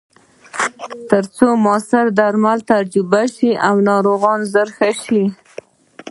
ترڅو موثره درمل تجویز شي او ناروغ ژر ښه شي.